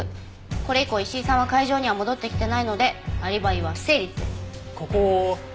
これ以降石井さんは会場には戻ってきてないのでアリバイは不成立です。